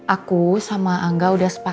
aku yang maksudnya